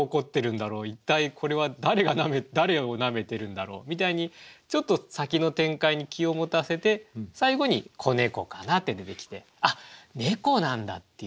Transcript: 一体これは誰が誰をなめてるんだろうみたいにちょっと先の展開に気を持たせて最後に「子猫かな」って出てきてあっ猫なんだっていう。